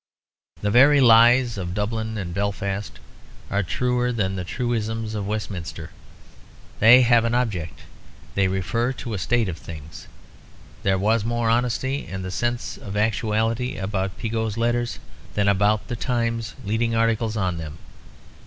The very lies of Dublin and Belfast are truer than the truisms of Westminster. They have an object; they refer to a state of things. There was more honesty, in the sense of actuality, about Piggott's letters than about the Times' leading articles on them.